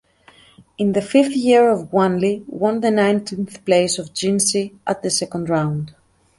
In the fifth year of Wanli, won the nineteenth place of Jinshi at the second round.